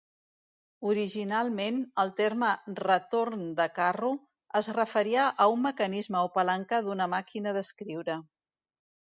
Originalment, el terme "retorn de carro" es referia a un mecanisme o palanca d'una màquina d'escriure.